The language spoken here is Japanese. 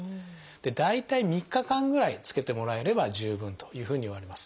大体３日間ぐらいつけてもらえれば十分というふうにいわれます。